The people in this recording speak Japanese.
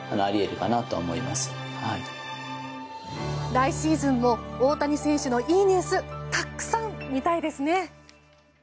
来シーズンも大谷選手のいいニュースたくさん見たいですね。